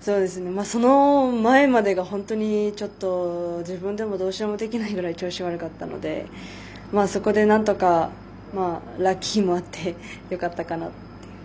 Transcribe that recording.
その前までがちょっと本当に自分でもどうしようもできないぐらい調子悪かったのでそこで、なんとかラッキーもあってよかったかなと。